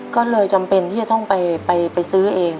ก็เลยจำเป็นที่จะต้องไปซื้อเอง